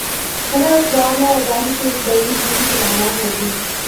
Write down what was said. ہمیں اس باب میں آگاہی کی ایک بڑی مہم چلانا ہو گی۔